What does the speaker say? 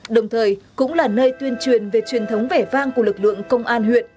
đồng thời cũng là nơi tuyên truyền về truyền thống vẻ vang của lực lượng công an huyện